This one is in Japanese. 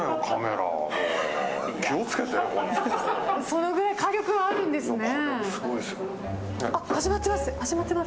そのくらい火力はあるんですね。